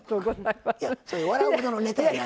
いや笑うほどのネタやない。